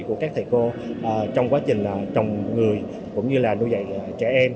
của các thầy cô trong quá trình trồng người cũng như là nuôi dạy trẻ em